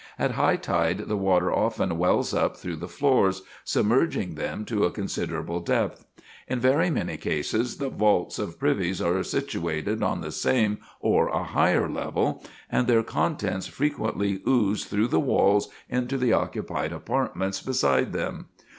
At high tide the water often wells up through the floors, submerging them to a considerable depth. In very many cases the vaults of privies are situated on the same or a higher level, and their contents frequently ooze through the walls into the occupied apartments beside them.